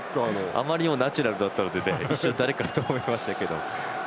あまりにもナチュラルだったので一瞬誰かと思いましたけども。